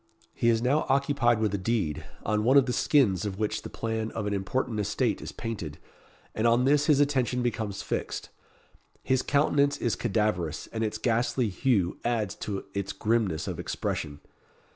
He is now occupied with a deed, on one of the skins of which the plan of an important estate is painted, and on this his attention becomes fixed. His countenance is cadaverous, and its ghastly hue adds to its grimness of expression.